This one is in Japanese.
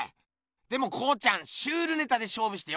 でも康ちゃんシュールネタでしょうぶしてよかったな。